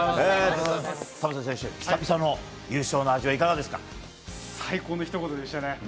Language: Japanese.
田臥選手、最高のひと言でしたね。